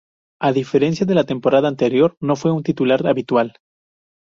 A diferencia de la temporada anterior, no fue un titular habitual.